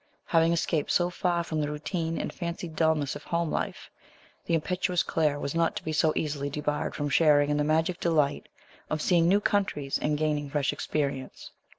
Having escaped so far from the routine and fancied dulness of home life, the impetuous Claire was not to be so easily debarred from sharing in the magic delight of seeing new countries and gaining fresh experience.